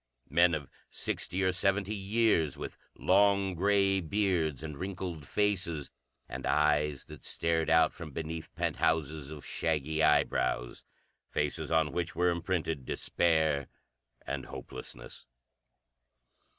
Men of sixty or seventy, years, with long, gray beards and wrinkled faces, and eyes that stared out from beneath penthouses of shaggy eyebrows. Faces on which were imprinted despair and hopelessness.